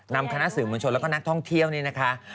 นำคณะสื่อมวลชนแล้วก็นักท่องเที่ยวนี่นะคะ